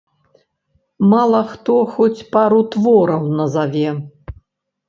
Мала хто хоць пару твораў назаве.